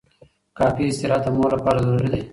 کافي استراحت د مور لپاره ضروري دی.